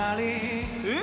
えっ？